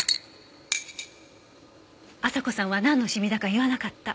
朝子さんはなんのシミだか言わなかった。